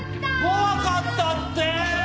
怖かったって！